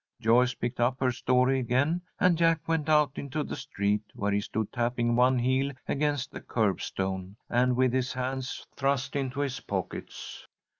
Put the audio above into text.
Joyce picked up her story again, and Jack went out into the street, where he stood tapping one heel against the curbstone, and with his hands thrust into his pockets.